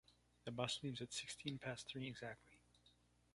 The bus leaves at sixteen past three exactly.